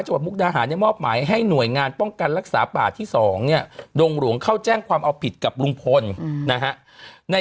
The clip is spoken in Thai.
จบบุกนาหารให้มอบใหม่ให้หน่วยงานป้องกันรักษาป่า